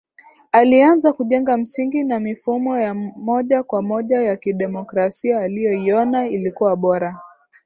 aliaanza kujenga msingi na mifumo ya moja kwa moja ya kidemokrasia aliyoiona ilikuwa bora